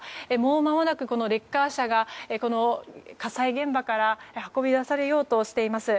まもなくこのレッカー車がこの火災現場から運び出されようとしています。